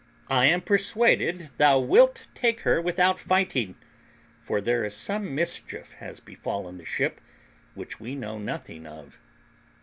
I am persuaded thou wilt take her without fighting, for there is some mischief has befallen the ship, which we know nothing of."